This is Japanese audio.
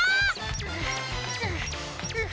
はあはあはあ。